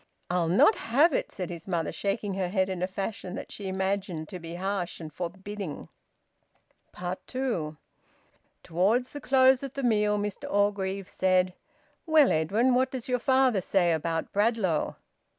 "I'll not have it!" said his mother, shaking her head in a fashion that she imagined to be harsh and forbidding. TWO. Towards the close of the meal, Mr Orgreave said "Well, Edwin, what does your father say about Bradlaugh?"